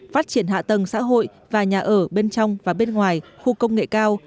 phát triển hạ tầng xã hội và nhà ở bên trong và bên ngoài khu công nghệ cao